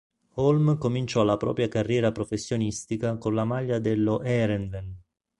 Holm cominciò la propria carriera professionistica con la maglia dello Heerenveen.